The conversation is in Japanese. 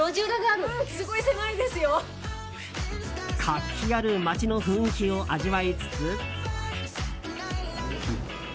活気ある街の雰囲気を味わいつつ。